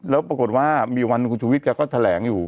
แล้วปรากฏว่ามีวันคุณชุวิตแกก็แถลงอยู่